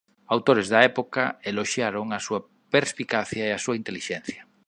Autores da época eloxiaron a súa perspicacia e a súa intelixencia.